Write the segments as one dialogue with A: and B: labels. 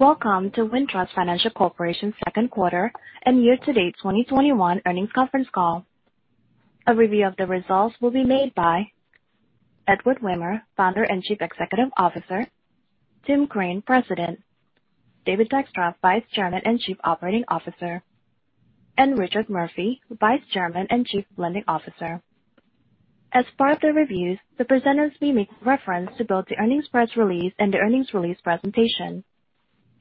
A: Welcome to Wintrust Financial Corporation's second quarter and year-to-date 2021 earnings conference call. A review of the results will be made by Edward Wehmer, Founder and Chief Executive Officer, Tim Crane, President, Dave Dykstra, Vice Chairman and Chief Operating Officer, and Richard Murphy, Vice Chairman and Chief Lending Officer. As part of the reviews, the presenters may make reference to both the earnings press release and the earnings release presentation.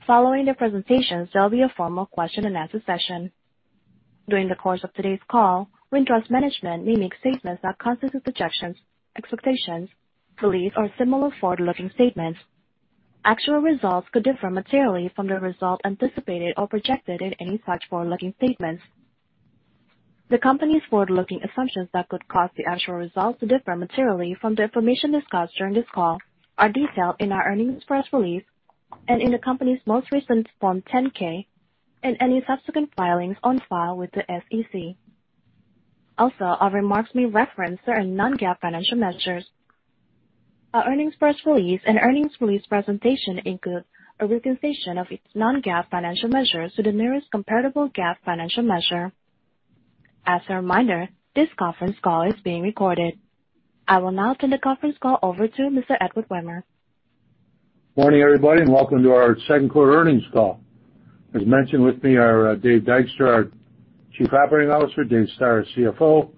A: Following the presentations, there will be a formal question-and-answer session. During the course of today's call, Wintrust management may make statements that constitute projections, expectations, beliefs, or similar forward-looking statements. Actual results could differ materially from the results anticipated or projected in any such forward-looking statements. The company's forward-looking assumptions that could cause the actual results to differ materially from the information discussed during this call are detailed in our earnings press release and in the company's most recent Form 10-K, and any subsequent filings on file with the SEC. Also, our remarks may reference certain non-GAAP financial measures. Our earnings press release and earnings release presentation include a reconciliation of its non-GAAP financial measures to the nearest comparable GAAP financial measure. As a reminder, this conference call is being recorded. I will now turn the conference call over to Mr. Edward Wehmer.
B: Morning, everybody, welcome to our second quarter earnings call. As mentioned, with me are Dave Dykstra, our Chief Operating Officer, Dave Stoehr, our CFO,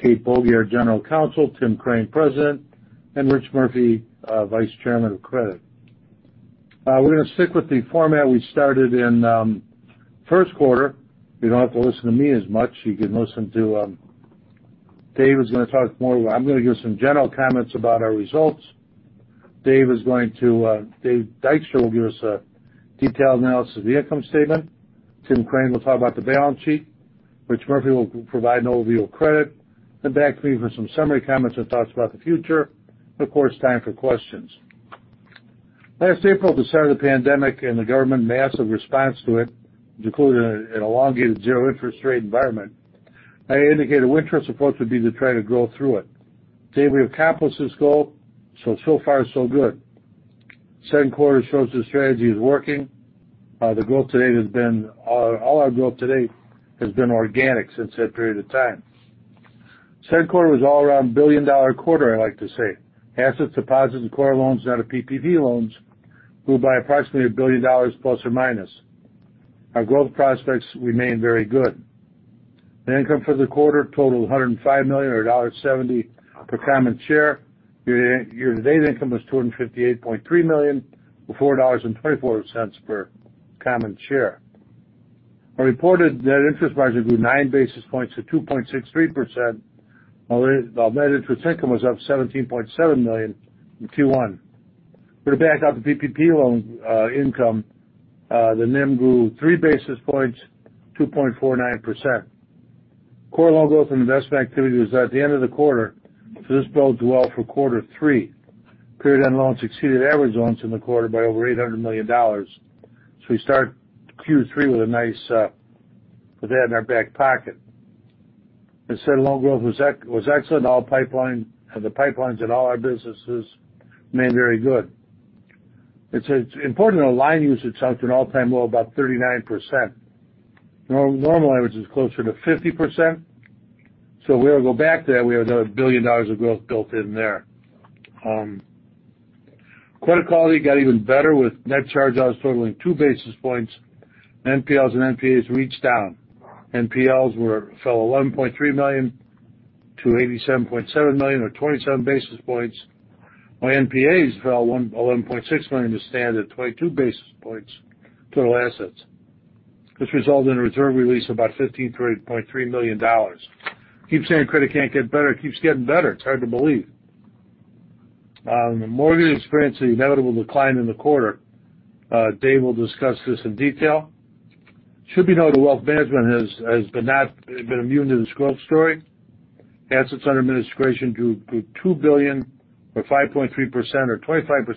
B: Kate Boege, our General Counsel, Tim Crane, President, and Rich Murphy, Vice Chairman of Credit. We're going to stick with the format we started in first quarter. You don't have to listen to me as much. You can listen to Dave is going to talk more. I'm going to give some general comments about our results. Dave Dykstra will give us a detailed analysis of the income statement. Tim Crane will talk about the balance sheet. Rich Murphy will provide an overview of credit. Back to me for some summary comments and thoughts about the future, and of course, time for questions. Last April, at the start of the pandemic and the government massive response to it, including an elongated zero interest rate environment, I indicated Wintrust's approach would be to try to grow through it. Today, we've accomplished this goal, so far so good. Second quarter shows the strategy is working. All our growth to date has been organic since that period of time. Second quarter was all around billion-dollar quarter, I like to say. Assets, deposits, and core loans out of PPP loans grew by approximately $1 billion ±. Our growth prospects remain very good. The income for the quarter totaled $105 million, or $1.70 per common share. Year-to-date income was $258.3 million, or $4.24 per common share. Our reported net interest margin grew nine basis points to 2.63%, while net interest income was up $17.7 million in Q1. If we back out the PPP loan income, the NIM grew 3 basis points, 2.49%. Core loan growth and investment activity was at the end of the quarter. This bodes well for quarter three. Period-end loans exceeded average loans in the quarter by over $800 million. We start Q3 with that in our back pocket. Asset loan growth was excellent. The pipelines in all our businesses remain very good. It's important to line usage is at an all-time low, about 39%. Normal average is closer to 50%, so we ought to go back there. We have another $1 billion of growth built in there. Credit quality got even better with net charge-offs totaling 2 basis points. NPLs and NPAs reached down. NPLs fell $11.3 million to $87.7 million, or 27 basis points, while NPAs fell $11.6 million to stand at 22 basis points total assets. This resulted in a reserve release of about $15.3 million. Keep saying credit can't get better, it keeps getting better. It's hard to believe. The mortgage experienced an inevitable decline in the quarter. Dave will discuss this in detail. It should be known the wealth management has been immune to this growth story. Assets under administration grew $2 billion, or 5.3%, or 25%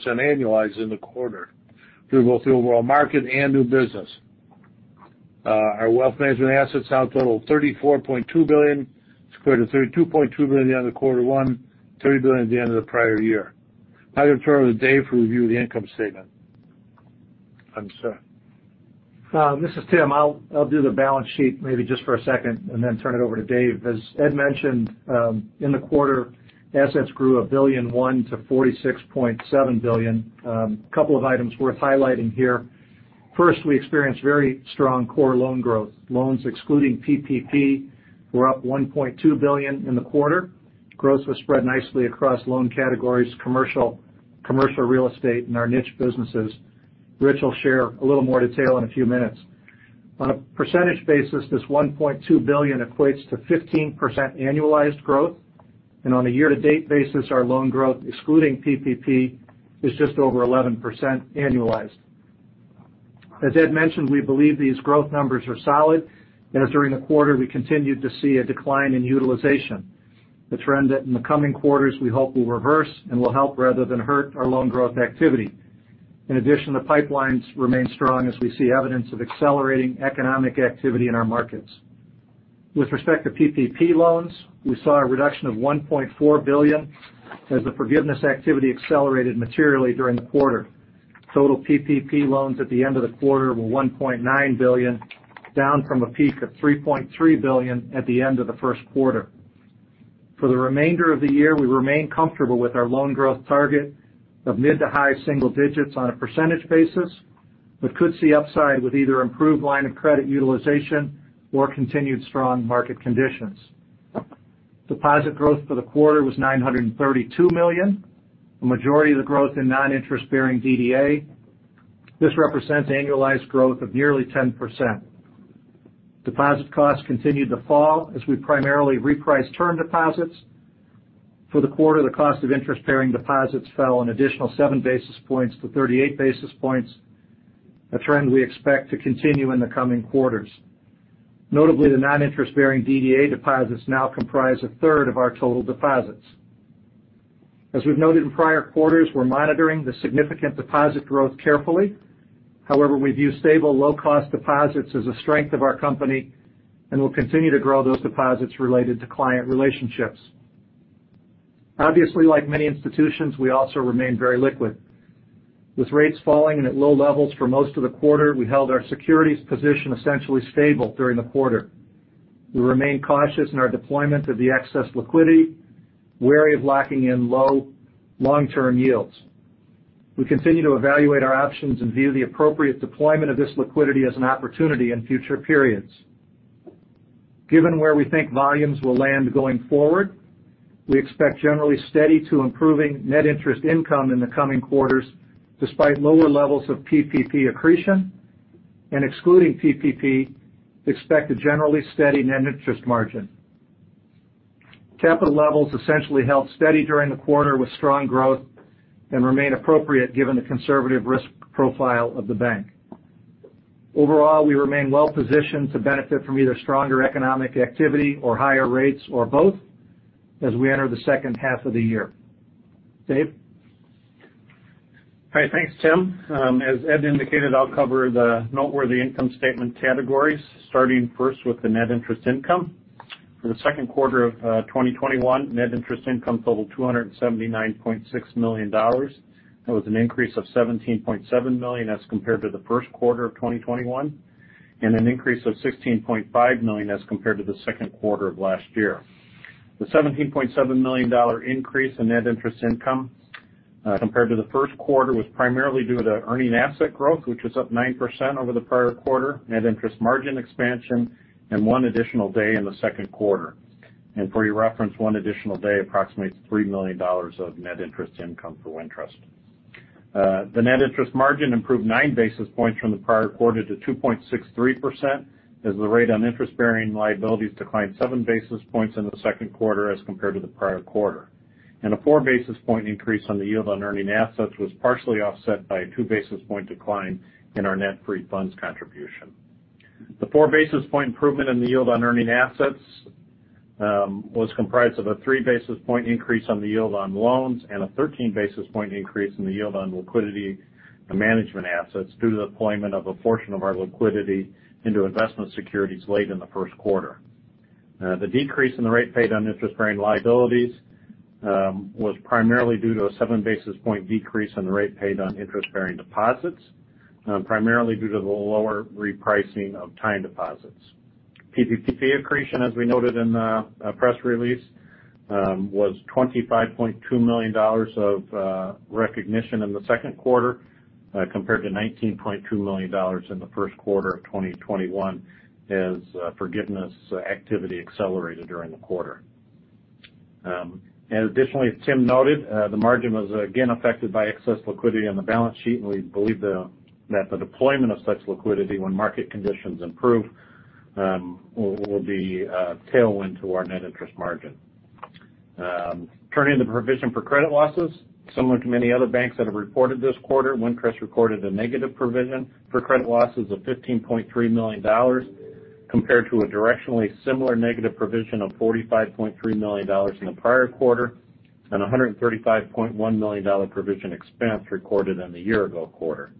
B: annualized in the quarter through both the overall market and new business. Our wealth management assets now total $34.2 billion as compared to $32.2 billion at the end of quarter one, $30 billion at the end of the prior year. Now I'll turn it over to Dave to review the income statement. I'm sorry.
C: This is Tim. I'll do the balance sheet maybe just for a second, and then turn it over to Dave. As Ed mentioned, in the quarter, assets grew $1.1 billion to $46.7 billion. A couple of items worth highlighting here. First, we experienced very strong core loan growth. Loans excluding PPP were up $1.2 billion in the quarter. Growth was spread nicely across loan categories, commercial real estate, and our niche businesses. Rich will share a little more detail in a few minutes. On a percentage basis, this $1.2 billion equates to 15% annualized growth. On a year-to-date basis, our loan growth, excluding PPP, is just over 11% annualized. As Ed mentioned, we believe these growth numbers are solid, and as during the quarter, we continued to see a decline in utilization. The trend that in the coming quarters we hope will reverse and will help rather than hurt our loan growth activity. In addition, the pipelines remain strong as we see evidence of accelerating economic activity in our markets. With respect to PPP loans, we saw a reduction of $1.4 billion as the forgiveness activity accelerated materially during the quarter. Total PPP loans at the end of the quarter were $1.9 billion, down from a peak of $3.3 billion at the end of the first quarter. For the remainder of the year, we remain comfortable with our loan growth target of mid to high single digits on a percentage basis, but could see upside with either improved line of credit utilization or continued strong market conditions. Deposit growth for the quarter was $932 million, a majority of the growth in non-interest-bearing DDA. This represents annualized growth of nearly 10%. Deposit costs continued to fall as we primarily reprice term deposits. For the quarter, the cost of interest-bearing deposits fell an additional 7 basis points to 38 basis points, a trend we expect to continue in the coming quarters. Notably, the non-interest-bearing DDA deposits now comprise a third of our total deposits. As we've noted in prior quarters, we're monitoring the significant deposit growth carefully. We view stable low-cost deposits as a strength of our company, and we'll continue to grow those deposits related to client relationships. Obviously, like many institutions, we also remain very liquid. With rates falling and at low levels for most of the quarter, we held our securities position essentially stable during the quarter. We remain cautious in our deployment of the excess liquidity, wary of locking in low long-term yields. We continue to evaluate our options and view the appropriate deployment of this liquidity as an opportunity in future periods. Given where we think volumes will land going forward, we expect generally steady to improving net interest income in the coming quarters, despite lower levels of PPP accretion. Excluding PPP, expect a generally steady net interest margin. Capital levels essentially held steady during the quarter with strong growth and remain appropriate given the conservative risk profile of the bank. Overall, we remain well-positioned to benefit from either stronger economic activity or higher rates or both as we enter the second half of the year. Dave?
D: Hi. Thanks, Tim. As Ed indicated, I'll cover the noteworthy income statement categories, starting first with the net interest income. For the second quarter of 2021, net interest income totaled $279.6 million. That was an increase of $17.7 million as compared to the first quarter of 2021, and an increase of $16.5 million as compared to the second quarter of last year. The $17.7 million increase in net interest income, compared to the first quarter, was primarily due to earning asset growth, which was up 9% over the prior quarter, net interest margin expansion, and one additional day in the second quarter. For your reference, one additional day approximates $3 million of net interest income for Wintrust. The net interest margin improved 9 basis points from the prior quarter to 2.63%, as the rate on interest-bearing liabilities declined 7 basis points in the second quarter as compared to the prior quarter. A 4 basis point increase on the yield on earning assets was partially offset by a 2 basis point decline in our net free funds contribution. The 4 basis point improvement in the yield on earning assets was comprised of a 3 basis point increase on the yield on loans and a 13 basis point increase in the yield on liquidity and management assets due to the deployment of a portion of our liquidity into investment securities late in the first quarter. The decrease in the rate paid on interest-bearing liabilities was primarily due to a 7 basis point decrease in the rate paid on interest-bearing deposits, primarily due to the lower repricing of time deposits. PPP accretion, as we noted in the press release, was $25.2 million of recognition in the second quarter compared to $19.2 million in the first quarter of 2021 as forgiveness activity accelerated during the quarter. Additionally, as Tim noted, the margin was again affected by excess liquidity on the balance sheet, and we believe that the deployment of such liquidity when market conditions improve will be a tailwind to our net interest margin. Turning to the provision for credit losses. Similar to many other banks that have reported this quarter, Wintrust recorded a negative provision for credit losses of $15.3 million, compared to a directionally similar negative provision of $45.3 million in the prior quarter and $135.1 million provision expense recorded in the year-ago quarter.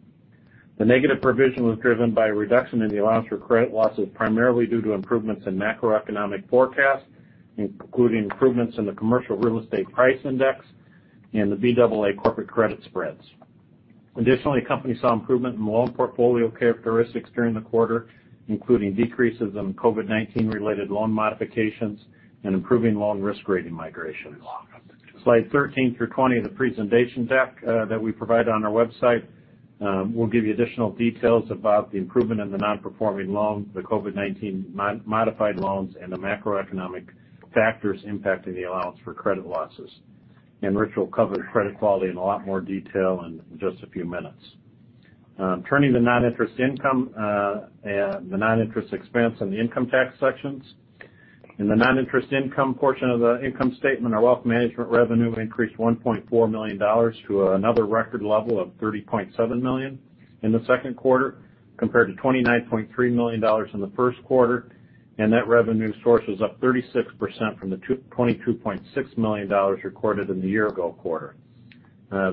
D: The negative provision was driven by a reduction in the allowance for credit losses, primarily due to improvements in macroeconomic forecasts, including improvements in the commercial real estate price index and the Baa corporate credit spreads. Additionally, the company saw improvement in loan portfolio characteristics during the quarter, including decreases in COVID-19 related loan modifications and improving loan risk rating migration. Slide 13 through 20 of the presentation deck that we provide on our website will give you additional details about the improvement in the non-performing loans, the COVID-19 modified loans, and the macroeconomic factors impacting the allowance for credit losses. Rich will cover credit quality in a lot more detail in just a few minutes. Turning to non-interest income and the non-interest expense on the income tax sections. In the non-interest income portion of the income statement, our wealth management revenue increased $1.4 million to another record level of $30.7 million in the second quarter compared to $29.3 million in the first quarter. That revenue source was up 36% from the $22.6 million recorded in the year-ago quarter.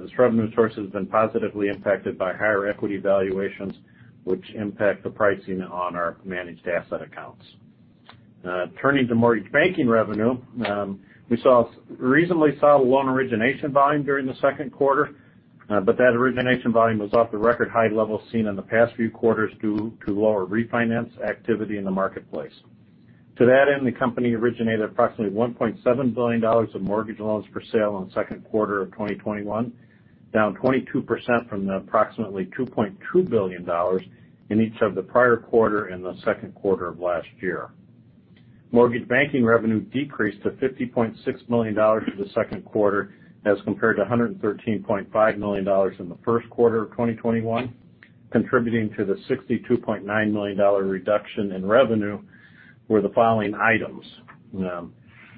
D: This revenue source has been positively impacted by higher equity valuations, which impact the pricing on our managed asset accounts. Turning to mortgage banking revenue, we saw reasonably solid loan origination volume during the second quarter, but that origination volume was off the record high levels seen in the past few quarters due to lower refinance activity in the marketplace. To that end, the company originated approximately $1.7 billion of mortgage loans for sale in second quarter of 2021, down 22% from the approximately $2.2 billion in each of the prior quarter and the second quarter of last year. Mortgage banking revenue decreased to $50.6 million in the second quarter as compared to $113.5 million in the first quarter of 2021. Contributing to the $62.9 million reduction in revenue were the following items.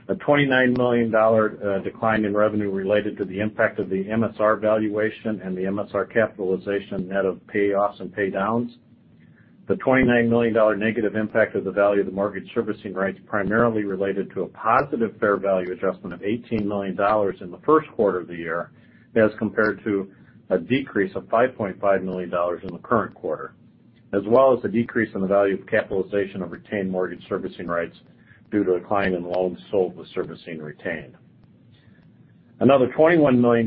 D: A $29 million decline in revenue related to the impact of the MSR valuation and the MSR capitalization net of payoffs and pay downs. The $29 million negative impact of the value of the mortgage servicing rights primarily related to a positive fair value adjustment of $18 million in the first quarter of the year as compared to a decrease of $5.5 million in the current quarter, as well as the decrease in the value of capitalization of retained mortgage servicing rights due to a decline in loans sold with servicing retained. Another $21 million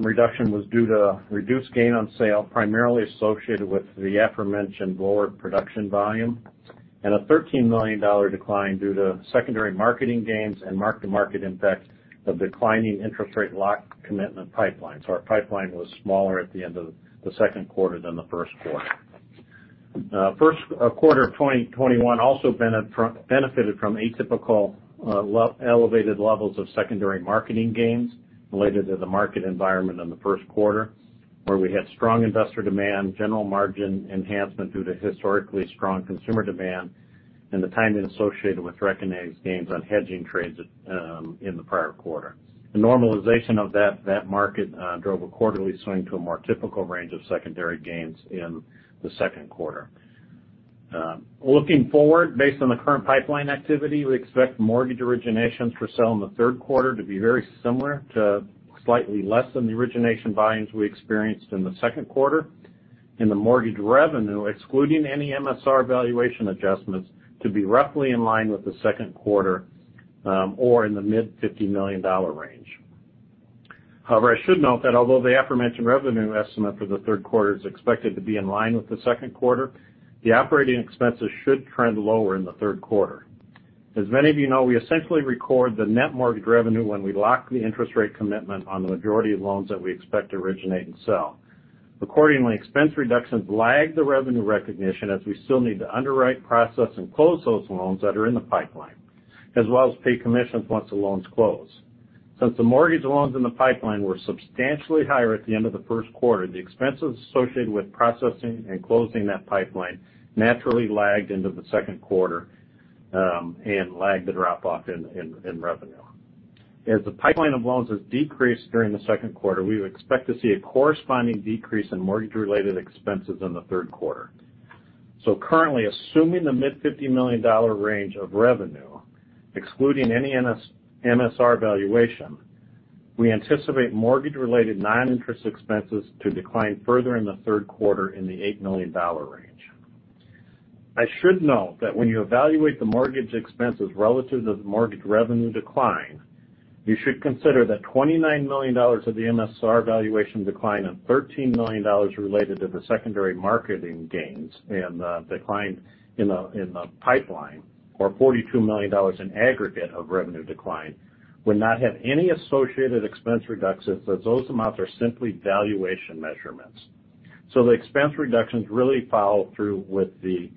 D: reduction was due to reduced gain on sale, primarily associated with the aforementioned lower production volume, and a $13 million decline due to secondary marketing gains and mark-to-market impact of declining interest rate lock commitment pipeline. Our pipeline was smaller at the end of the second quarter than the first quarter. First quarter of 2021 also benefited from atypical elevated levels of secondary marketing gains related to the market environment in the first quarter, where we had strong investor demand, general margin enhancement due to historically strong consumer demand, and the timing associated with recognizing gains on hedging trades in the prior quarter. The normalization of that market drove a quarterly swing to a more typical range of secondary gains in the second quarter. Looking forward, based on the current pipeline activity, we expect mortgage originations for sale in the third quarter to be very similar to slightly less than the origination volumes we experienced in the second quarter. In the mortgage revenue, excluding any MSR valuation adjustments, to be roughly in line with the second quarter or in the mid $50 million range. However, I should note that although the aforementioned revenue estimate for the third quarter is expected to be in line with the second quarter, the operating expenses should trend lower in the third quarter. As many of you know, we essentially record the net mortgage revenue when we lock the interest rate commitment on the majority of loans that we expect to originate and sell. Accordingly, expense reductions lag the revenue recognition as we still need to underwrite, process, and close those loans that are in the pipeline, as well as pay commissions once the loans close. Since the mortgage loans in the pipeline were substantially higher at the end of the first quarter, the expenses associated with processing and closing that pipeline naturally lagged into the second quarter and lagged the drop-off in revenue. As the pipeline of loans has decreased during the second quarter, we would expect to see a corresponding decrease in mortgage-related expenses in the third quarter. Currently, assuming the mid $50 million range of revenue, excluding any MSR valuation, we anticipate mortgage-related non-interest expenses to decline further in the third quarter in the $8 million range. I should note that when you evaluate the mortgage expenses relative to the mortgage revenue decline, you should consider that $29 million of the MSR valuation decline and $13 million related to the secondary marketing gains and the decline in the pipeline, or $42 million in aggregate of revenue decline would not have any associated expense reductions, as those amounts are simply valuation measurements. The expense reductions really follow through with the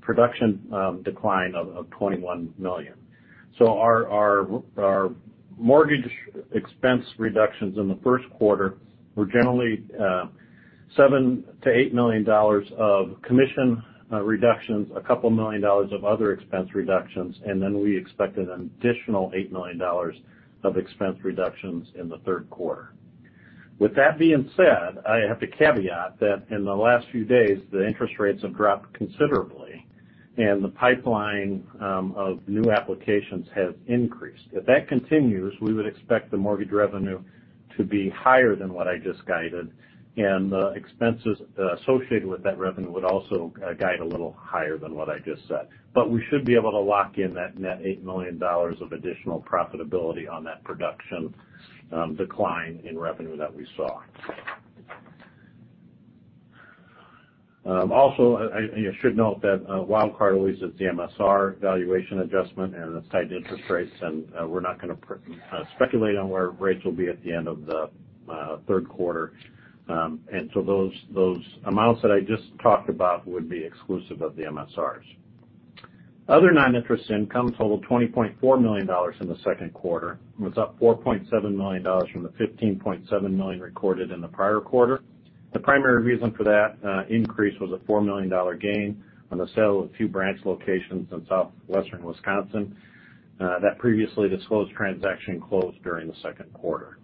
D: production decline of $21 million. Our mortgage expense reductions in the first quarter were generally $7 million-$8 million of commission reductions, $2 million of other expense reductions, and we expect an additional $8 million of expense reductions in the third quarter. With that being said, I have to caveat that in the last few days, the interest rates have dropped considerably, and the pipeline of new applications has increased. If that continues, we would expect the mortgage revenue to be higher than what I just guided, and the expenses associated with that revenue would also guide a little higher than what I just said. We should be able to lock in that net $8 million of additional profitability on that production decline in revenue that we saw. I should note that a wild card always is the MSR valuation adjustment and the tight interest rates, we're not going to speculate on where rates will be at the end of the third quarter. Those amounts that I just talked about would be exclusive of the MSRs. Other non-interest income totaled $20.4 million in the second quarter. It was up $4.7 million from the $15.7 million recorded in the prior quarter. The primary reason for that increase was a $4 million gain on the sale of a few branch locations in southwestern Wisconsin. That previously disclosed transaction closed during the second quarter.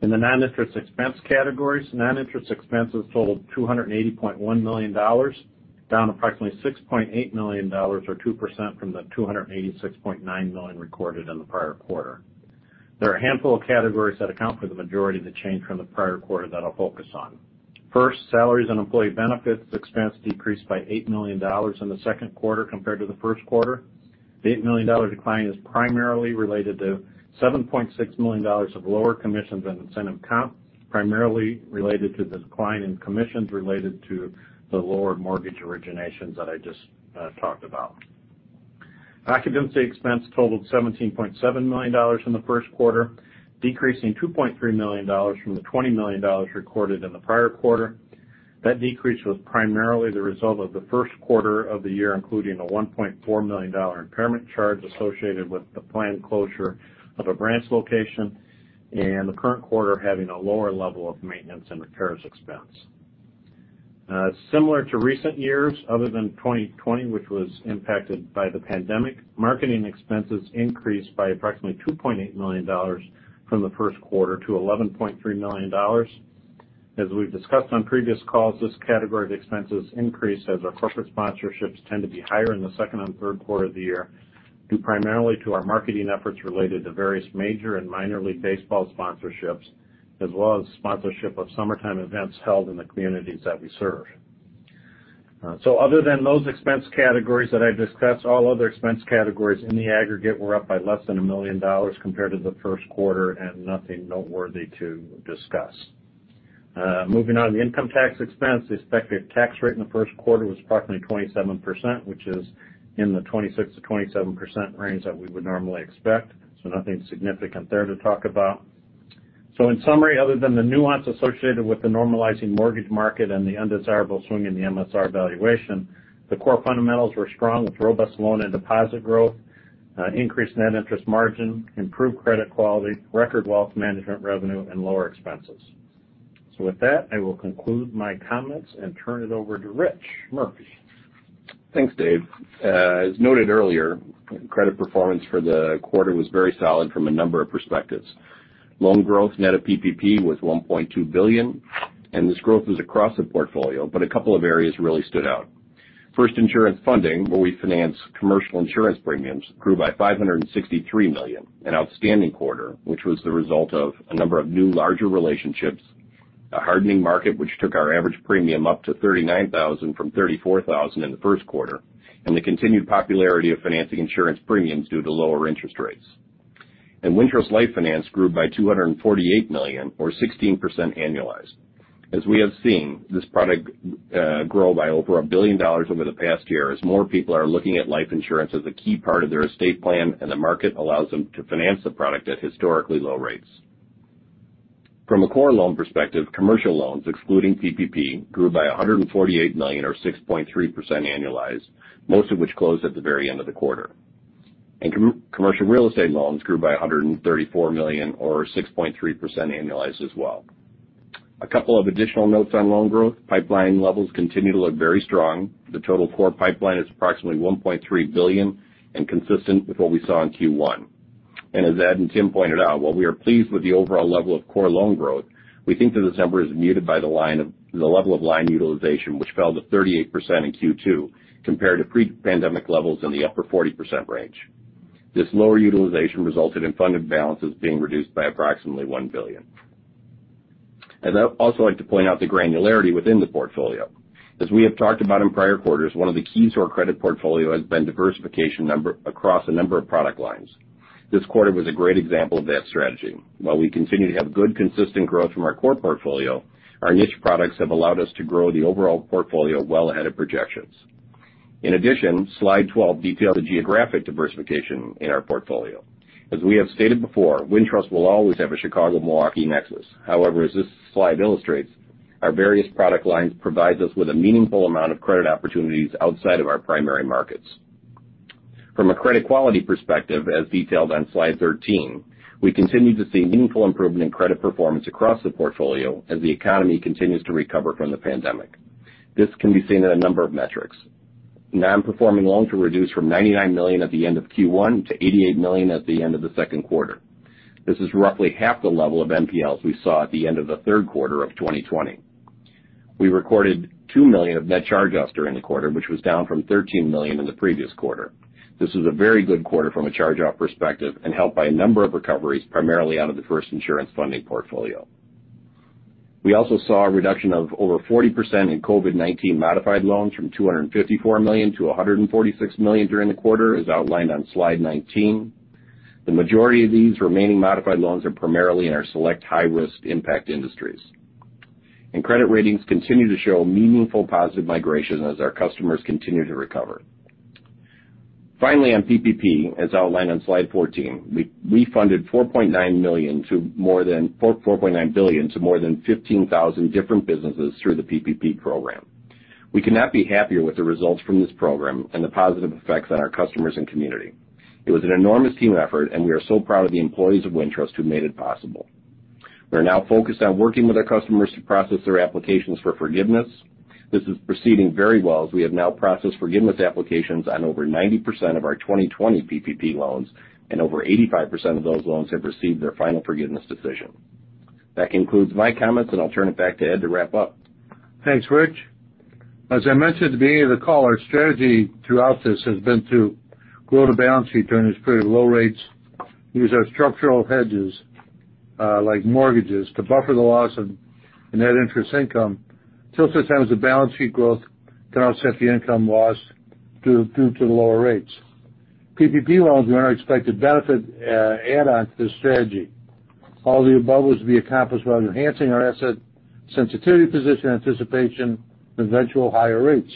D: In the non-interest expense categories, non-interest expenses totaled $280.1 million, down approximately $6.8 million, or 2%, from the $286.9 million recorded in the prior quarter. There are a handful of categories that account for the majority of the change from the prior quarter that I'll focus on. First, salaries and employee benefits expense decreased by $8 million in the second quarter compared to the first quarter. The $8 million decline is primarily related to $7.6 million of lower commissions and incentive comp, primarily related to the decline in commissions related to the lower mortgage originations that I just talked about. Occupancy expense totaled $17.7 million in the first quarter, decreasing $2.3 million from the $20 million recorded in the prior quarter. That decrease was primarily the result of the first quarter of the year, including a $1.4 million impairment charge associated with the planned closure of a branch location and the current quarter having a lower level of maintenance and repairs expense. Similar to recent years, other than 2020, which was impacted by the pandemic, marketing expenses increased by approximately $2.8 million from the first quarter to $11.3 million. As we've discussed on previous calls, this category of expenses increased as our corporate sponsorships tend to be higher in the second and third quarter of the year, due primarily to our marketing efforts related to various major and minor league baseball sponsorships, as well as sponsorship of summertime events held in the communities that we serve. Other than those expense categories that I discussed, all other expense categories in the aggregate were up by less than $1 million compared to the first quarter, and nothing noteworthy to discuss. Moving on to the income tax expense. The expected tax rate in the first quarter was approximately 27%, which is in the 26%-27% range that we would normally expect, so nothing significant there to talk about. In summary, other than the nuance associated with the normalizing mortgage market and the undesirable swing in the MSR valuation, the core fundamentals were strong with robust loan and deposit growth, increased net interest margin, improved credit quality, record wealth management revenue, and lower expenses. With that, I will conclude my comments and turn it over to Rich Murphy.
E: Thanks, Dave. As noted earlier, credit performance for the quarter was very solid from a number of perspectives. Loan growth net of PPP was $1.2 billion, and this growth was across the portfolio, but a couple of areas really stood out. First, FIRST Insurance Funding, where we finance commercial insurance premiums, grew by $563 million, an outstanding quarter, which was the result of a number of new larger relationships, a hardening market which took our average premium up to $39,000 from $34,000 in the first quarter, and the continued popularity of financing insurance premiums due to lower interest rates. Wintrust Life Finance grew by $248 million or 16% annualized. As we have seen this product grow by over $1 billion over the past year as more people are looking at life insurance as a key part of their estate plan and the market allows them to finance the product at historically low rates. From a core loan perspective, commercial loans excluding PPP grew by $148 million or 6.3% annualized, most of which closed at the very end of the quarter. Commercial real estate loans grew by $134 million or 6.3% annualized as well. A couple of additional notes on loan growth. Pipeline levels continue to look very strong. The total core pipeline is approximately $1.3 billion and consistent with what we saw in Q1. As Ed and Tim pointed out, while we are pleased with the overall level of core loan growth, we think that this number is muted by the level of line utilization, which fell to 38% in Q2 compared to pre-pandemic levels in the upper 40% range. This lower utilization resulted in funded balances being reduced by approximately $1 billion. I'd also like to point out the granularity within the portfolio. As we have talked about in prior quarters, one of the keys to our credit portfolio has been diversification across a number of product lines. This quarter was a great example of that strategy. While we continue to have good, consistent growth from our core portfolio, our niche products have allowed us to grow the overall portfolio well ahead of projections. In addition, slide 12 details the geographic diversification in our portfolio. As we have stated before, Wintrust will always have a Chicago-Milwaukee nexus. However, as this slide illustrates, our various product lines provide us with a meaningful amount of credit opportunities outside of our primary markets. From a credit quality perspective, as detailed on slide 13, we continue to see meaningful improvement in credit performance across the portfolio as the economy continues to recover from the pandemic. This can be seen in a number of metrics. Non-performing loans were reduced from $99 million at the end of Q1 to $88 million at the end of the second quarter. This is roughly half the level of NPLs we saw at the end of the third quarter of 2020. We recorded $2 million of net charge-offs during the quarter, which was down from $13 million in the previous quarter. This is a very good quarter from a charge-off perspective and helped by a number of recoveries, primarily out of the FIRST Insurance Funding portfolio. We also saw a reduction of over 40% in COVID-19 modified loans from $254 million to $146 million during the quarter, as outlined on slide 19. The majority of these remaining modified loans are primarily in our select high-risk impact industries. Credit ratings continue to show meaningful positive migration as our customers continue to recover. Finally, on PPP, as outlined on slide 14, we funded $4.9 billion to more than 15,000 different businesses through the PPP program. We could not be happier with the results from this program and the positive effects on our customers and community. It was an enormous team effort, and we are so proud of the employees of Wintrust who made it possible. We are now focused on working with our customers to process their applications for forgiveness. This is proceeding very well as we have now processed forgiveness applications on over 90% of our 2020 PPP loans. Over 85% of those loans have received their final forgiveness decision. That concludes my comments, and I'll turn it back to Ed to wrap up.
B: Thanks, Rich. As I mentioned at the beginning of the call, our strategy throughout this has been to grow the balance sheet during this period of low rates, use our structural hedges like mortgages to buffer the loss of net interest income until such time as the balance sheet growth can offset the income loss due to the lower rates. PPP loans we expect to benefit, add on to the strategy. All of the above is to be accomplished while enhancing our asset sensitivity position in anticipation of eventual higher rates.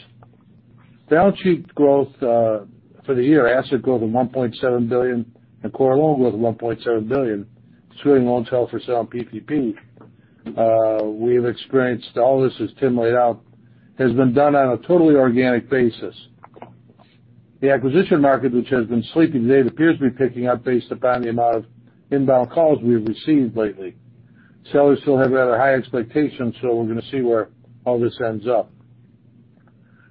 B: Balance sheet growth for the year, asset growth of $1.7 billion and core loan growth of $1.7 billion, excluding loans held for sale and PPP. We've experienced all this, as Tim laid out, has been done on a totally organic basis. The acquisition market, which has been sleeping today, appears to be picking up based upon the amount of inbound calls we've received lately. Sellers still have rather high expectations. We're going to see where all this ends up.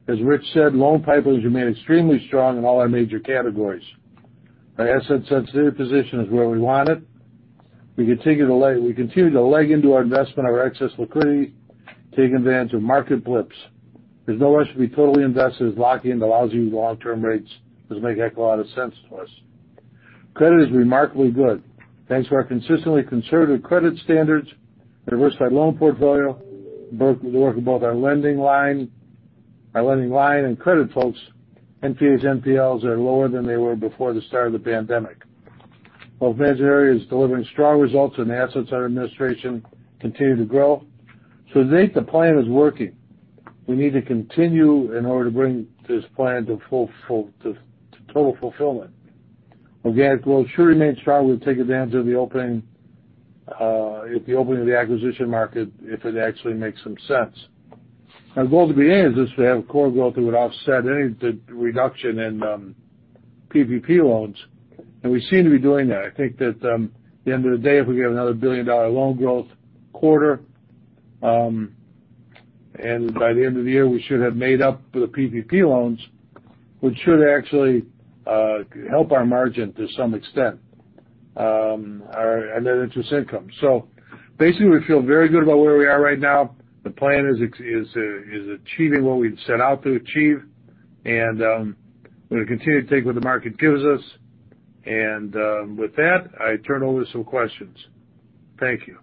B: As Rich said, loan pipelines remain extremely strong in all our major categories. Our asset-sensitive position is where we want it. We continue to leg into our investment of our excess liquidity, taking advantage of market blips. There's no reason to be totally invested as lock-in to lousy long-term rates. Doesn't make a heck of a lot of sense to us. Credit is remarkably good. Thanks to our consistently conservative credit standards and diversified loan portfolio, both the work of both our lending line and credit folks, NPAs, NPLs are lower than they were before the start of the pandemic. Both venture areas delivering strong results and the assets under administration continue to grow. To date, the plan is working. We need to continue in order to bring this plan to total fulfillment. Organic growth should remain strong. We'll take advantage of the opening of the acquisition market if it actually makes some sense. Our goal at the beginning of this was to have core growth that would offset any of the reduction in PPP loans. We seem to be doing that. I think that at the end of the day, if we get another billion-dollar loan growth quarter, and by the end of the year, we should have made up for the PPP loans, which should actually help our margin to some extent, our net interest income. Basically, we feel very good about where we are right now. The plan is achieving what we'd set out to achieve, and we're going to continue to take what the market gives us. With that, I turn over some questions. Thank you.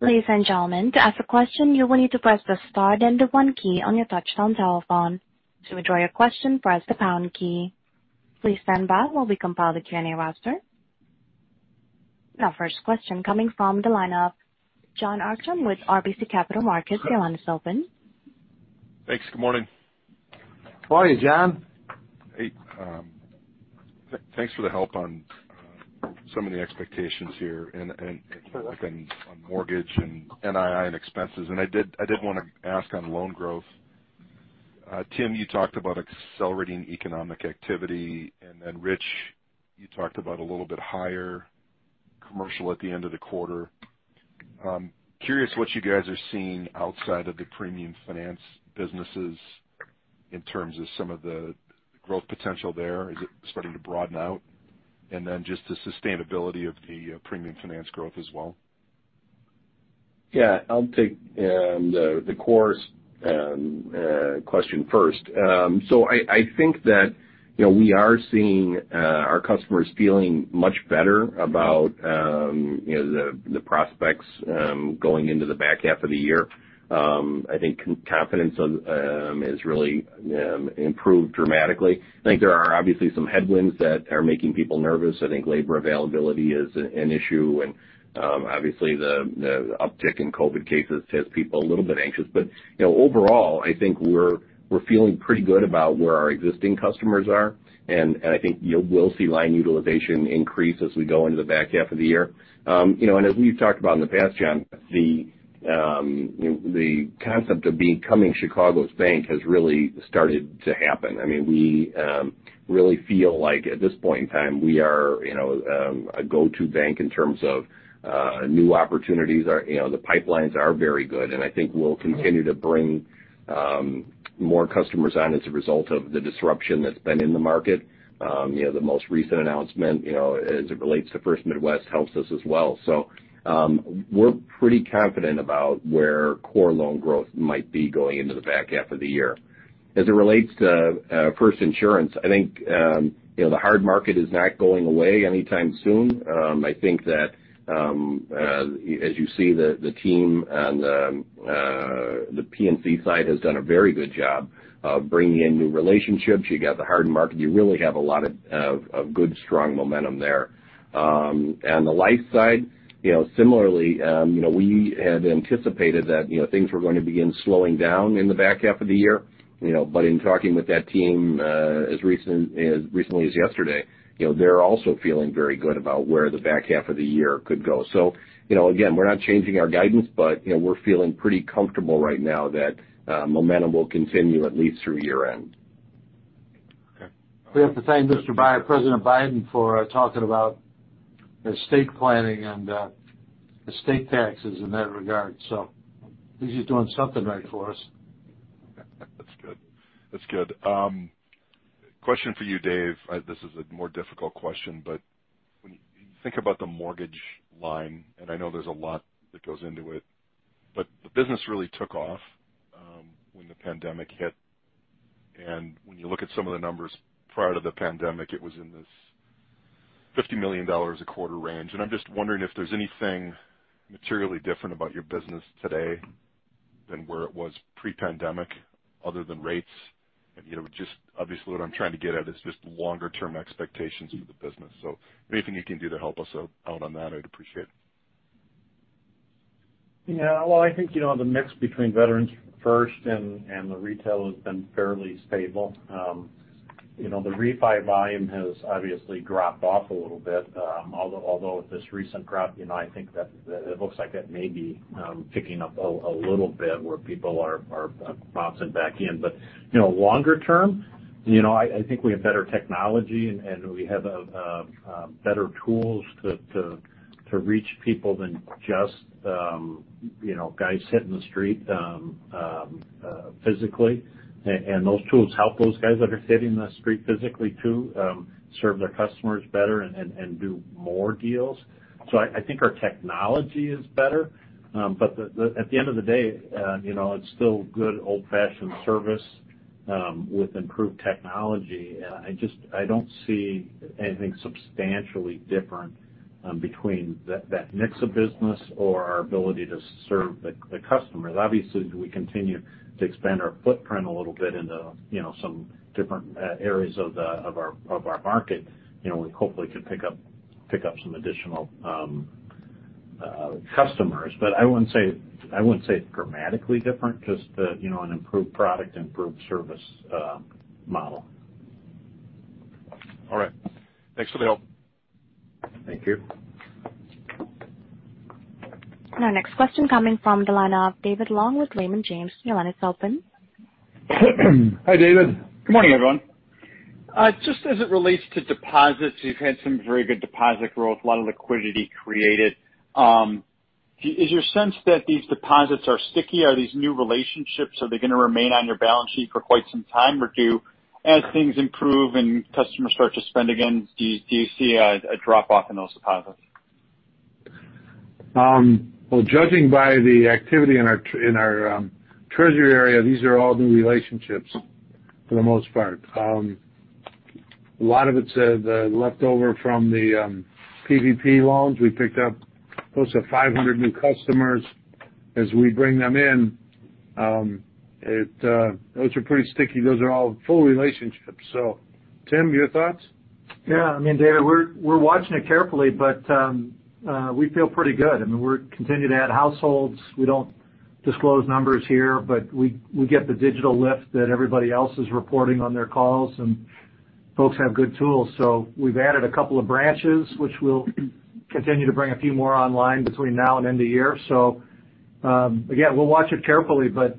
A: Ladies and gentlemen to ask a question, you will need to press the star and the one key on your touch-tone telephone. To withdraw your question press the pound key. Please stand by we compile the Q&A roster. Our first question coming from the lineup, Jon Arfstrom with RBC Capital Markets, your line is open.
F: Thanks. Good morning.
B: Morning, Jon.
F: Hey. Thanks for the help on some of the expectations here and on mortgage and NII and expenses. I did want to ask on loan growth. Tim Crane, you talked about accelerating economic activity, and then Richard Murphy, you talked about a little bit higher commercial at the end of the quarter. Curious what you guys are seeing outside of the premium finance businesses in terms of some of the growth potential there. Is it starting to broaden out? Just the sustainability of the premium finance growth as well.
E: Yeah, I'll take the core question first. I think that we are seeing our customers feeling much better about the prospects going into the back half of the year. I think confidence has really improved dramatically. I think there are obviously some headwinds that are making people nervous. I think labor availability is an issue, and obviously the uptick in COVID-19 cases has people a little bit anxious. Overall, I think we're feeling pretty good about where our existing customers are, and I think you will see line utilization increase as we go into the back half of the year. As we've talked about in the past, Jon, the concept of becoming Chicago's bank has really started to happen. We really feel like at this point in time, we are a go-to bank in terms of new opportunities. The pipelines are very good, and I think we'll continue to bring more customers on as a result of the disruption that's been in the market. The most recent announcement as it relates to First Midwest helps us as well. We're pretty confident about where core loan growth might be going into the back half of the year. As it relates to First Insurance, I think the hard market is not going away anytime soon. I think that as you see the team on the P&C side has done a very good job of bringing in new relationships. You got the hard market. You really have a lot of good, strong momentum there. On the life side, similarly we had anticipated that things were going to begin slowing down in the back half of the year. In talking with that team as recently as yesterday, they're also feeling very good about where the back half of the year could go. Again, we're not changing our guidance, but we're feeling pretty comfortable right now that momentum will continue at least through year-end.
F: Okay.
B: We have to thank Mr. Biden, President Biden for talking about estate planning and estate taxes in that regard. At least he's doing something right for us.
F: That's good. Question for you, Dave. This is a more difficult question, but when you think about the mortgage line, and I know there's a lot that goes into it, but the business really took off when the pandemic hit. When you look at some of the numbers prior to the pandemic, it was in this $50 million a quarter range. I'm just wondering if there's anything materially different about your business today than where it was pre-pandemic other than rates. Obviously, what I'm trying to get at is just longer term expectations for the business. Anything you can do to help us out on that, I'd appreciate it.
D: Yeah. Well, I think, the mix between Veterans First and the retail has been fairly stable. The refi volume has obviously dropped off a little bit. Although with this recent drop, I think that it looks like that may be picking up a little bit where people are bouncing back in. Longer term, I think we have better technology, and we have better tools to reach people than just guys hitting the street physically. Those tools help those guys that are hitting the street physically too, serve their customers better and do more deals. I think our technology is better. At the end of the day, it's still good old-fashioned service, with improved technology. I don't see anything substantially different between that mix of business or our ability to serve the customers. Obviously, we continue to expand our footprint a little bit into some different areas of our market. We hopefully can pick up some additional customers. But I wouldn't say it's dramatically different, just an improved product, improved service model.
F: All right. Thanks for the help.
D: Thank you.
A: Our next question coming from the line of David Long with Raymond James. Your line is open.
G: Hi, David. Good morning, everyone. Just as it relates to deposits, you've had some very good deposit growth, a lot of liquidity created. Is your sense that these deposits are sticky? Are these new relationships, are they going to remain on your balance sheet for quite some time, or do, as things improve and customers start to spend again, do you see a drop-off in those deposits?
B: Well, judging by the activity in our treasury area, these are all new relationships for the most part. A lot of it's the leftover from the PPP loans. We picked up close to 500 new customers as we bring them in. Those are pretty sticky. Those are all full relationships. Tim, your thoughts?
C: Yeah. David, we're watching it carefully, but we feel pretty good. We're continuing to add households. We don't disclose numbers here, but we get the digital lift that everybody else is reporting on their calls, and folks have good tools. We've added two branches, which we'll continue to bring a few more online between now and end of year. Again, we'll watch it carefully, but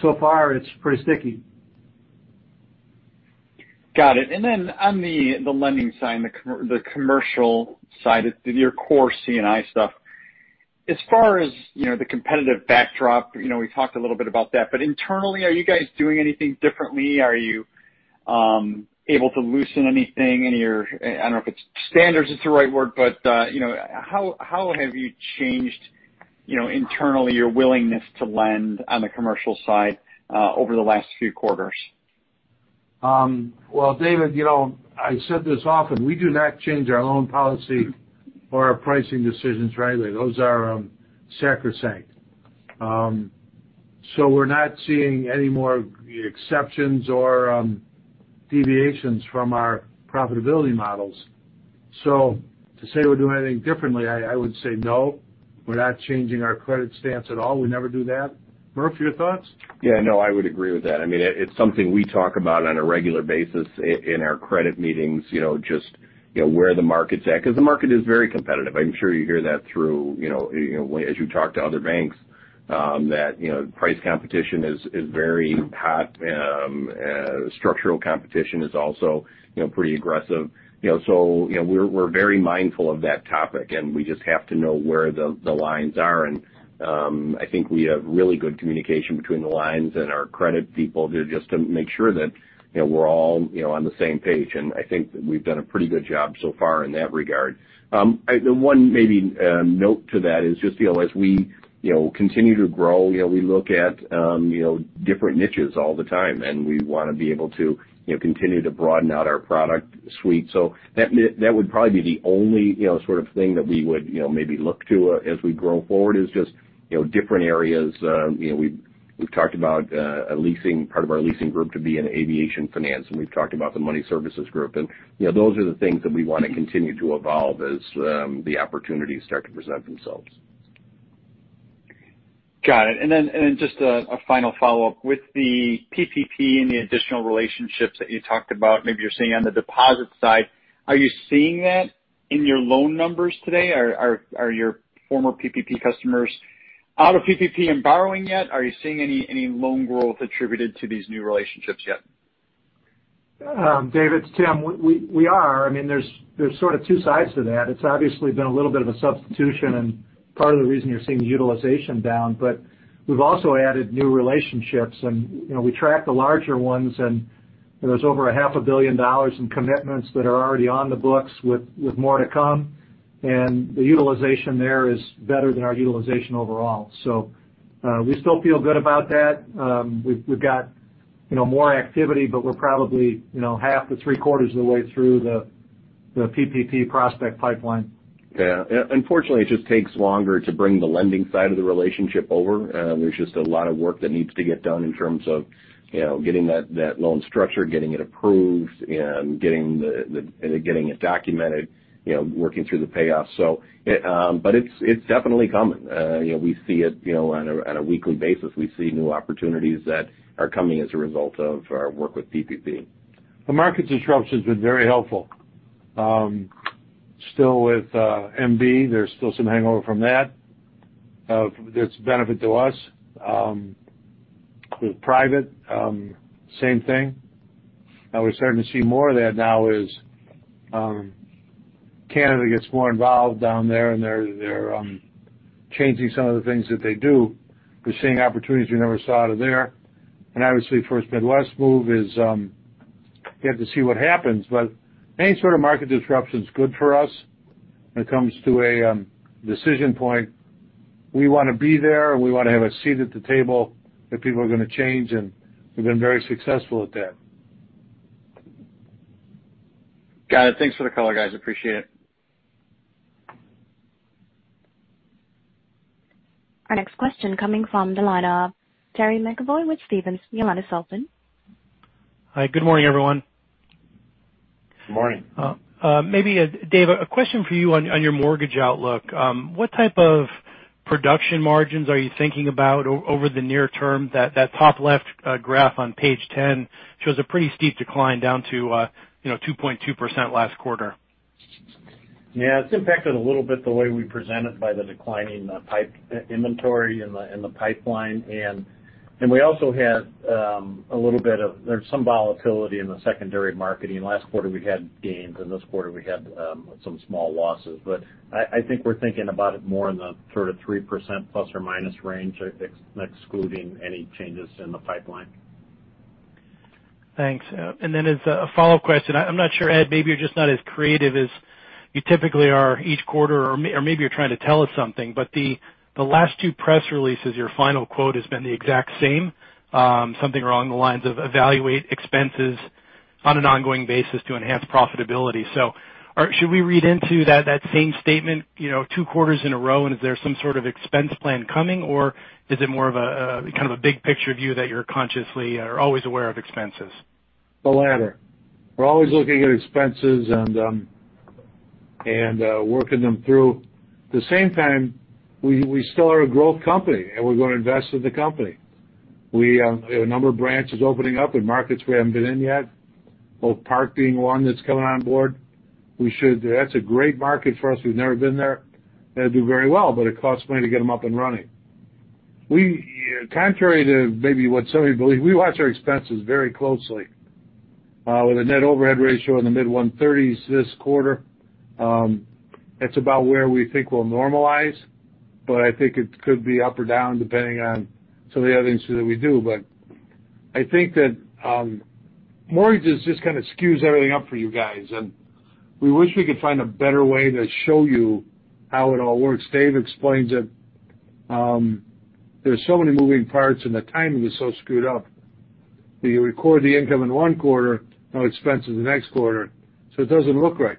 C: so far it's pretty sticky.
G: Got it. On the lending side, the commercial side, your core C&I stuff, as far as the competitive backdrop, we talked a little bit about that. Internally, are you guys doing anything differently? Are you able to loosen anything in your, I don't know if standards is the right word, but how have you changed internally your willingness to lend on the commercial side over the last few quarters?
B: David, I've said this often. We do not change our loan policy or our pricing decisions readily. Those are sacrosanct. We're not seeing any more exceptions or deviations from our profitability models. To say we're doing anything differently, I would say no, we're not changing our credit stance at all. We never do that. Murph, your thoughts?
E: Yeah, no, I would agree with that. It's something we talk about on a regular basis in our credit meetings, just where the market's at, because the market is very competitive. I'm sure you hear that through as you talk to other banks, that price competition is very hot. Structural competition is also pretty aggressive. We're very mindful of that topic, and we just have to know where the lines are. I think we have really good communication between the lines and our credit people there just to make sure that we're all on the same page, and I think that we've done a pretty good job so far in that regard. The one maybe note to that is just as we continue to grow, we look at different niches all the time, and we want to be able to continue to broaden out our product suite. That would probably be the only sort of thing that we would maybe look to as we grow forward, is just different areas. We've talked about a part of our leasing group to be in aviation finance, and we've talked about the money services group. Those are the things that we want to continue to evolve as the opportunities start to present themselves.
G: Got it. Just a final follow-up. With the PPP and the additional relationships that you talked about, maybe you're seeing on the deposit side, are you seeing that in your loan numbers today? Are your former PPP customers out of PPP and borrowing yet? Are you seeing any loan growth attributed to these new relationships yet?
C: David, it's Tim. We are. There's sort of two sides to that. It's obviously been a little bit of a substitution and part of the reason you're seeing the utilization down. We've also added new relationships, and we track the larger ones, and there's over a half a billion dollars in commitments that are already on the books with more to come. The utilization there is better than our utilization overall. We still feel good about that. We've got more activity, but we're probably half to three-quarters of the way through the PPP prospect pipeline.
E: Yeah. Unfortunately, it just takes longer to bring the lending side of the relationship over. There's just a lot of work that needs to get done in terms of getting that loan structured, getting it approved, and getting it documented, working through the payoff. It's definitely coming. On a weekly basis, we see new opportunities that are coming as a result of our work with PPP.
B: The market disruption's been very helpful. Still with MB, there's still some hangover from that. It's a benefit to us. With private, same thing. We're starting to see more of that now as Canada gets more involved down there, and they're changing some of the things that they do. We're seeing opportunities we never saw out of there. Obviously, First Midwest move is, we have to see what happens. Any sort of market disruption's good for us. When it comes to a decision point, we want to be there, and we want to have a seat at the table if people are going to change, and we've been very successful at that.
G: Got it. Thanks for the color, guys. Appreciate it.
A: Our next question coming from the line of Terry McEvoy with Stephens. Your line is open.
H: Hi, good morning, everyone.
B: Good morning.
H: Maybe, Dave, a question for you on your mortgage outlook. What type of production margins are you thinking about over the near term? That top left graph on page 10 shows a pretty steep decline down to 2.2% last quarter.
D: It's impacted a little bit the way we present it by the decline in the pipe inventory and the pipeline. We also had a little bit of volatility in the secondary marketing. Last quarter, we had gains, and this quarter we had some small losses. I think we're thinking about it more in the 3% plus or minus range, excluding any changes in the pipeline.
H: Thanks. As a follow-up question, I'm not sure, Ed, maybe you're just not as creative as you typically are each quarter, or maybe you're trying to tell us something? The last two press releases, your final quote has been the exact same. Something along the lines of evaluate expenses on an ongoing basis to enhance profitability. Should we read into that same statement two quarters in a row, and is there some sort of expense plan coming, or is it more of a kind of a big picture view that you're consciously are always aware of expenses?
B: The latter. We're always looking at expenses and working them through. At the same time, we still are a growth company, and we're going to invest in the company. We have a number of branches opening up in markets we haven't been in yet. Bolingbrook being one that's coming on board. That's a great market for us. We've never been there. That'll do very well, but it costs money to get them up and running. Contrary to maybe what some of you believe, we watch our expenses very closely. With a net overhead ratio in the mid-130s this quarter, that's about where we think we'll normalize, but I think it could be up or down depending on some of the other things that we do. I think that mortgages just kind of skews everything up for you guys, and we wish we could find a better way to show you how it all works. Dave explains it. There's so many moving parts, and the timing is so screwed up that you record the income in one quarter, no expense in the next quarter. It doesn't look right.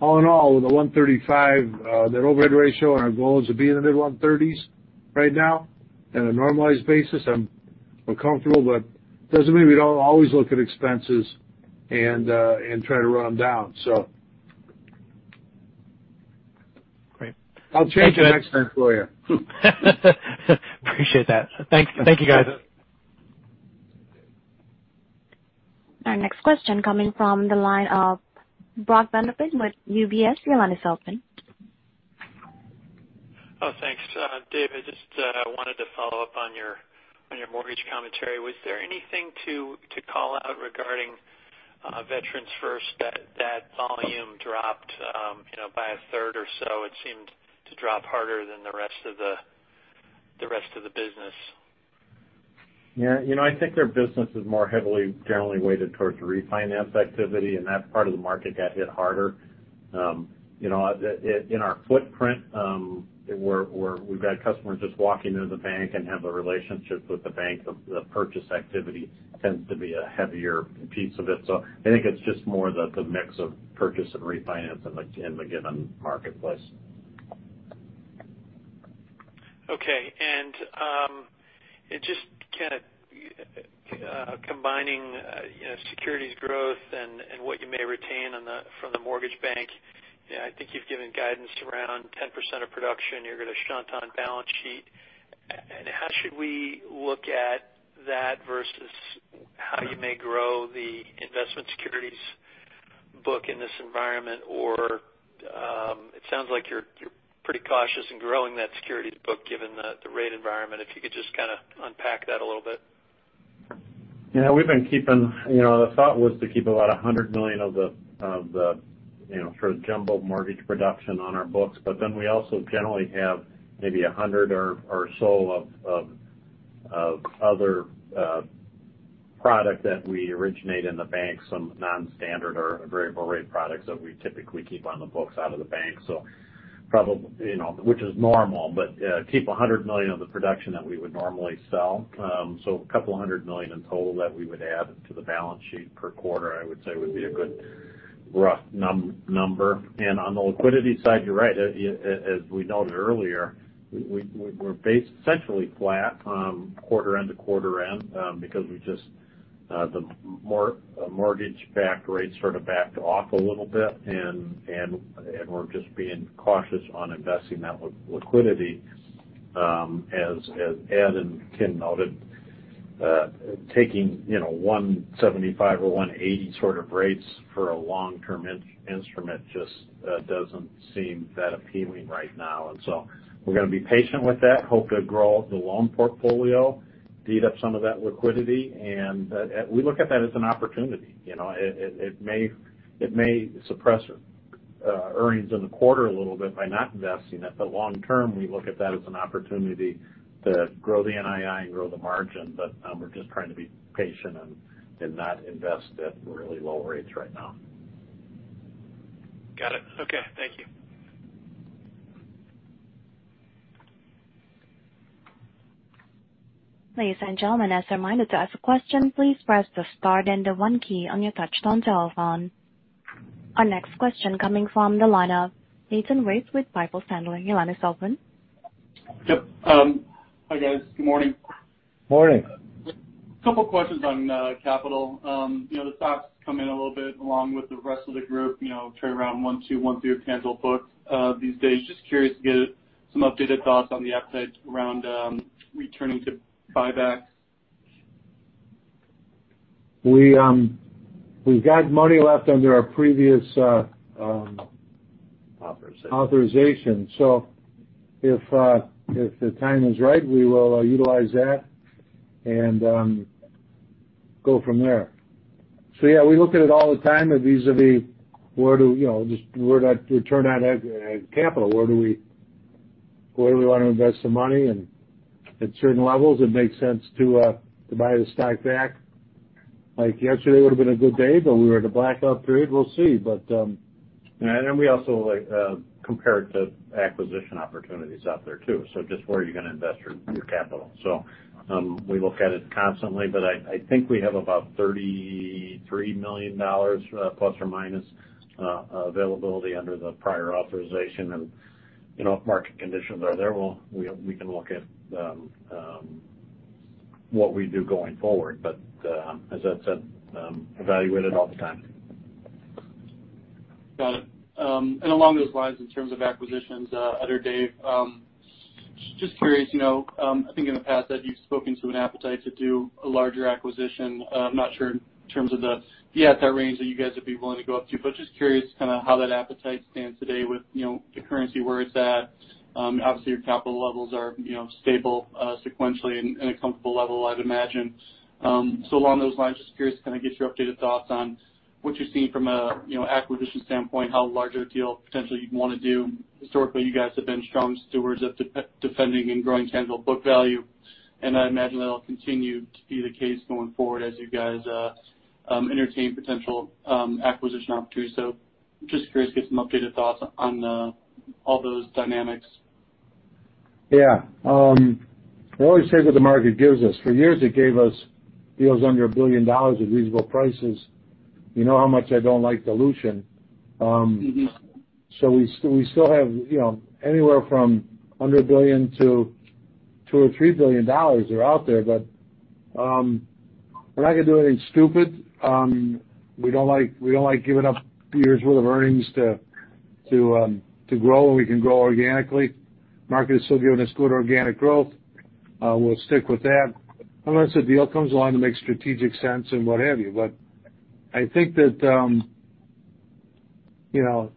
B: All in all, with a 135 net overhead ratio, and our goal is to be in the mid-130s right now. In a normalized basis, I'm comfortable. Doesn't mean we don't always look at expenses and try to run them down.
H: Great. Thank you.
B: I'll change it next time for you.
H: Appreciate that. Thank you, guys.
A: Our next question coming from the line of Brock Vandervliet with UBS. Your line is open.
I: Oh, thanks. Dave, I just wanted to follow up on your mortgage commentary. Was there anything to call out regarding Veterans First? That volume dropped by a third or so. It seemed to drop harder than the rest of the business.
D: Yeah. I think their business is more heavily generally weighted towards the refinance activity, and that part of the market got hit harder. In our footprint, we've got customers just walking into the bank and have a relationship with the bank. The purchase activity tends to be a heavier piece of it. I think it's just more the mix of purchase and refinance in the given marketplace.
I: Okay. Just kind of combining securities growth and what you may retain from the mortgage bank, I think you've given guidance around 10% of production you're going to shunt on balance sheet. How should we look at that versus how you may grow the investment securities?
C: Brock in this environment. It sounds like you're pretty cautious in growing that securities book, given the rate environment. If you could just unpack that a little bit. Yeah. The thought was to keep about $100 million of the jumbo mortgage production on our books. We also generally have maybe $100 or so of other product that we originate in the bank, some non-standard or variable rate products that we typically keep on the books out of the bank. Which is normal. Keep $100 million of the production that we would normally sell. A couple of hundred million in total that we would add to the balance sheet per quarter, I would say would be a good rough number. On the liquidity side, you're right. As we noted earlier, we're essentially flat quarter end to quarter end because the mortgage-backed rates sort of backed off a little bit, and we're just being cautious on investing that liquidity. As Ed and Ken noted, taking 175 or 180 sort of rates for a long-term instrument just doesn't seem that appealing right now. We're going to be patient with that, hope to grow the loan portfolio, eat up some of that liquidity, and we look at that as an opportunity. It may suppress earnings in the quarter a little bit by not investing it. Long term, we look at that as an opportunity to grow the NII and grow the margin, but we're just trying to be patient and not invest at really low rates right now. Got it. Okay. Thank you.
A: Ladies and gentlemen, as a reminder, to ask a question, please press the star then the one key on your touch-tone telephone. Our next question coming from the line of Nathan Race with Piper Sandler. Your line is open.
J: Yep. Hi, guys. Good morning.
B: Morning.
J: Couple questions on capital. The stock's come in a little bit along with the rest of the group, trade around 1.2, 1.0 tangible books these days. Just curious to get some updated thoughts on the appetite around returning to buybacks.
B: We've got money left under our previous authorization. If the timing's right, we will utilize that and go from there. Yeah, we look at it all the time vis-a-vis where do we return that capital? Where do we want to invest the money? At certain levels, it makes sense to buy the stock back. Like yesterday would've been a good day, but we were in a blackout period. We'll see. We also compare it to acquisition opportunities out there too. Just where are you going to invest your capital? We look at it constantly, but I think we have about $33 million, plus or minus, availability under the prior authorization. If market conditions are there, we can look at what we do going forward. As I said, evaluate it all the time.
J: Got it. Along those lines, in terms of acquisitions, other Dave, just curious, I think in the past that you've spoken to an appetite to do a larger acquisition. I'm not sure in terms of if you had that range that you guys would be willing to go up to, just curious kind of how that appetite stands today with the currency where it's at. Obviously, your capital levels are stable sequentially and at a comfortable level, I'd imagine. Along those lines, just curious to kind of get your updated thoughts on what you're seeing from an acquisition standpoint, how large of a deal potentially you'd want to do. Historically, you guys have been strong stewards of defending and growing tangible book value, I imagine that'll continue to be the case going forward as you guys entertain potential acquisition opportunities. Just curious to get some updated thoughts on all those dynamics.
B: Yeah. We always say what the market gives us. For years, it gave us deals under $1 billion at reasonable prices. You know how much I don't like dilution. We still have anywhere from under $1 billion to $2 billion or $3 billion are out there. We're not going to do anything stupid. We don't like giving up years' worth of earnings to grow when we can grow organically. Market is still giving us good organic growth. We'll stick with that unless a deal comes along that makes strategic sense and what have you. I think that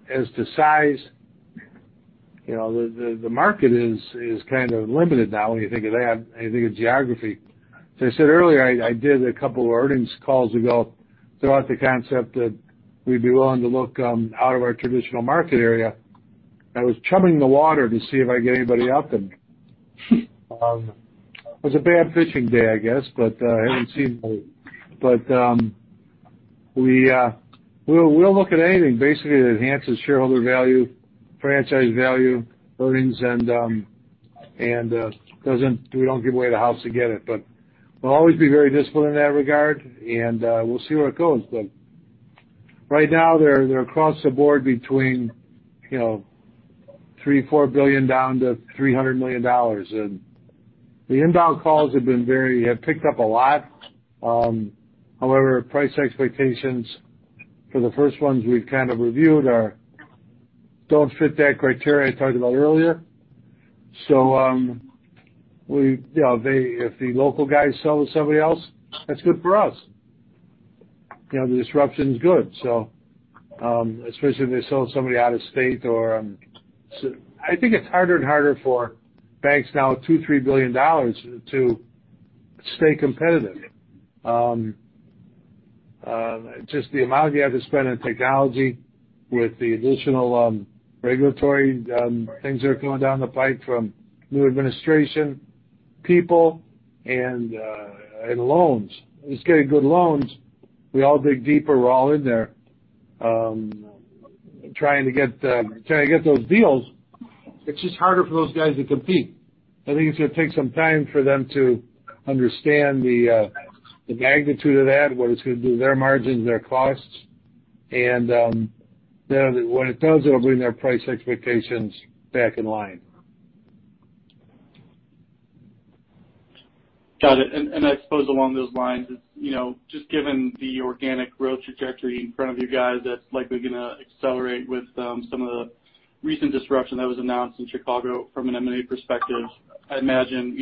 B: as to size, the market is kind of limited now when you think of that and you think of geography. I said earlier, I did a couple of earnings calls ago, threw out the concept that we'd be willing to look out of our traditional market area. I was chumming the water to see if I'd get anybody up, it was a bad fishing day, I guess. I haven't seen anybody. We'll look at anything basically that enhances shareholder value, franchise value, earnings, and we don't give away the house to get it. We'll always be very disciplined in that regard, and we'll see where it goes. Right now, they're across the board between $3 billion-$4 billion down to $300 million. The inbound calls have picked up a lot. However, price expectations for the first ones we've kind of reviewed are Don't fit that criteria I talked about earlier. If the local guys sell to somebody else, that's good for us. The disruption's good. Especially if they sell to somebody out of state or I think it's harder and harder for banks now with $2 billion-$3 billion to stay competitive. Just the amount you have to spend on technology with the additional regulatory things that are coming down the pipe from new administration people and loans. Just getting good loans. We all dig deeper. We're all in there trying to get those deals. It's just harder for those guys to compete. I think it's going to take some time for them to understand the magnitude of that, what it's going to do to their margins, their costs, and when it does, it'll bring their price expectations back in line.
J: Got it. I suppose along those lines, just given the organic growth trajectory in front of you guys that's likely going to accelerate with some of the recent disruption that was announced in Chicago from an M&A perspective. I imagine,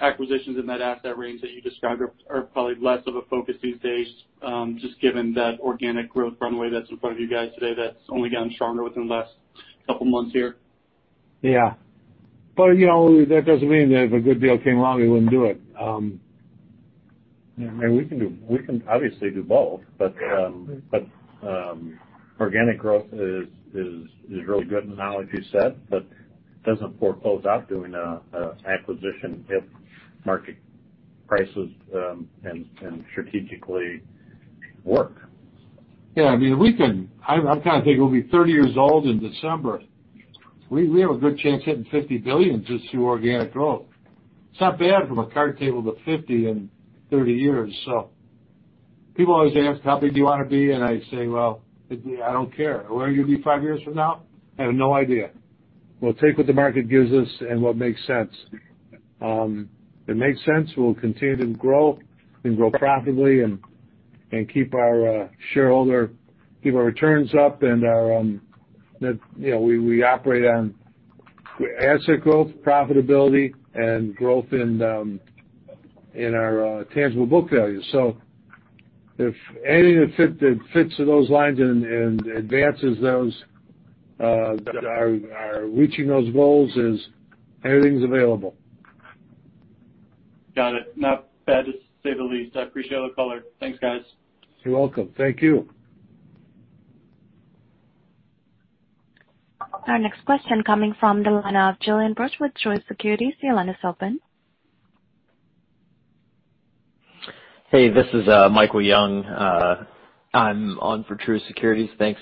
J: acquisitions in that asset range that you described are probably less of a focus these days, just given that organic growth runway that's in front of you guys today that's only gotten stronger within the last couple of months here.
B: Yeah. That doesn't mean that if a good deal came along, we wouldn't do it.
E: We can obviously do both. Organic growth is really good now, like you said, but doesn't foreclose us doing an acquisition if market prices and strategically work.
B: I kind of think we'll be 30 years old in December. We have a good chance of hitting $50 billion just through organic growth. It's not bad from a card table to $50 in 30 years. People always ask, how big do you want to be? I say, Well, I don't care. Where are you going to be five years from now? I have no idea. We'll take what the market gives us and what makes sense. If it makes sense, we'll continue to grow and grow profitably and keep our shareholder, keep our returns up and we operate on asset growth, profitability, and growth in our tangible book value. If anything that fits those lines and advances those that are reaching those goals is anything's available.
J: Got it. Not bad, to say the least. I appreciate all the color. Thanks, guys.
B: You're welcome. Thank you.
A: Our next question coming from the line of Julien Brush with Truist Securities. Your line is open.
K: Hey, this is Michael Young. I'm on for Truist Securities. Thanks.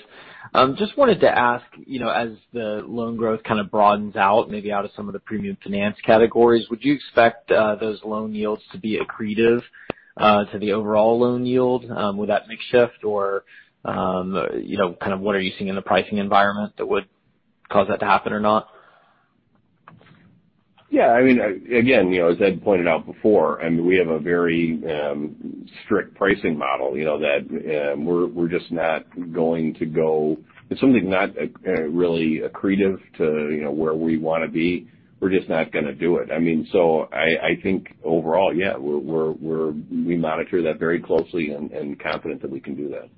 K: Just wanted to ask, as the loan growth kind of broadens out, maybe out of some of the premium finance categories, would you expect those loan yields to be accretive to the overall loan yield? Would that mix shift or what are you seeing in the pricing environment that would cause that to happen or not?
E: Again, as Ed pointed out before, we have a very strict pricing model. If something's not really accretive to where we want to be, we're just not going to do it. I think overall, yeah. We monitor that very closely and confident that we can do that.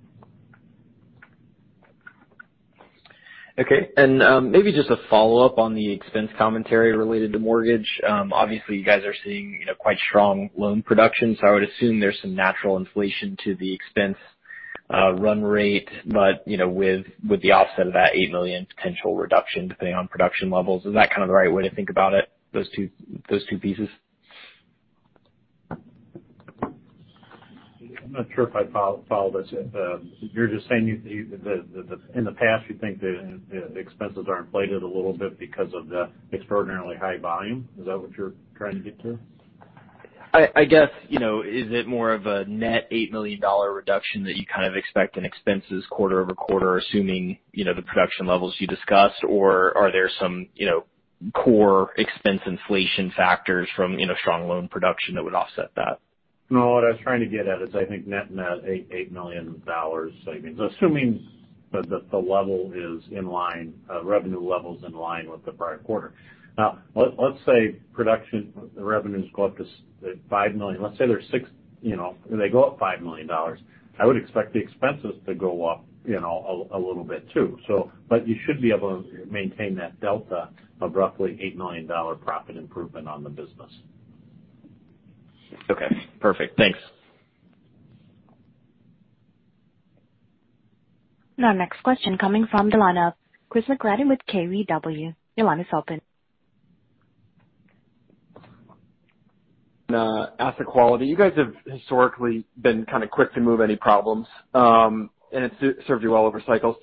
K: Okay. Maybe just a follow-up on the expense commentary related to mortgage. Obviously, you guys are seeing quite strong loan production, so I would assume there's some natural inflation to the expense run rate. With the offset of that $8 million potential reduction depending on production levels, is that kind of the right way to think about it, those two pieces?
E: I'm not sure if I followed this. You're just saying in the past, you think that the expenses are inflated a little bit because of the extraordinarily high volume? Is that what you're trying to get to?
K: I guess. Is it more of a net $8 million reduction that you kind of expect in expenses quarter-over-quarter, assuming the production levels you discussed? Are there some core expense inflation factors from strong loan production that would offset that?
D: What I was trying to get at is I think net $8 million savings, assuming that the revenue level is in line with the prior quarter. Let's say production revenues go up to $5 million. Let's say they go up $5 million. I would expect the expenses to go up a little bit, too. You should be able to maintain that delta of roughly $8 million profit improvement on the business.
K: Okay, perfect. Thanks.
A: Our next question coming from the line of Chris McGratty with KBW. Your line is open.
L: On asset quality, you guys have historically been kind of quick to move any problems. It's served you well over cycles.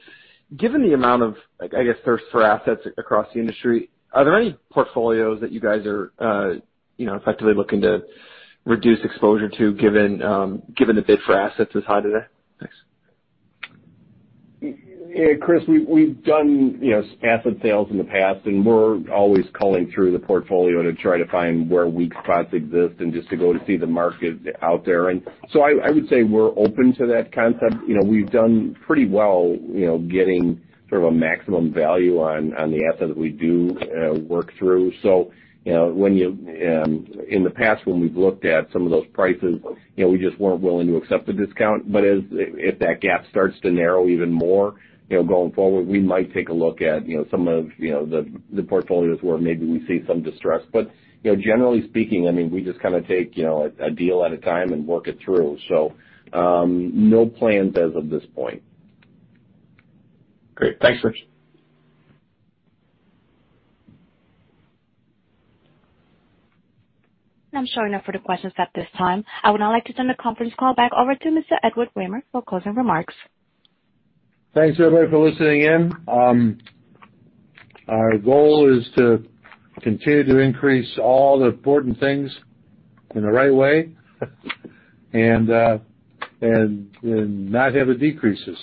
L: Given the amount of, I guess, thirst for assets across the industry, are there any portfolios that you guys are effectively looking to reduce exposure to given the bid for assets is high today? Thanks.
E: Chris, we've done asset sales in the past, and we're always culling through the portfolio to try to find where weak spots exist and just to go to see the market out there. I would say we're open to that concept. We've done pretty well getting sort of a maximum value on the asset that we do work through. In the past when we've looked at some of those prices, we just weren't willing to accept the discount. If that gap starts to narrow even more going forward, we might take a look at some of the portfolios where maybe we see some distress. Generally speaking, we just kind of take a deal at a time and work it through. No plans as of this point. Great. Thanks, Chris.
A: I'm showing no further questions at this time. I would now like to turn the conference call back over to Mr. Edward Wehmer for closing remarks.
B: Thanks, everybody, for listening in. Our goal is to continue to increase all the important things in the right way and not have a decreases.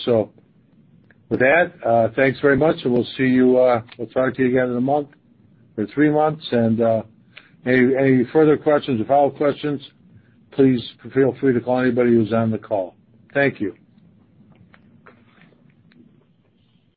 B: With that, thanks very much, and we'll talk to you again in a month or three months. Any further questions or follow-up questions, please feel free to call anybody who's on the call. Thank you.